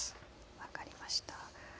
分かりました。